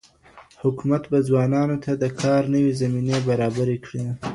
حکومت به ځوانانو ته د کار نوي زمينې برابرې کړي.